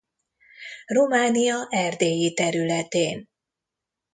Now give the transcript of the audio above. Románia erdélyi területén.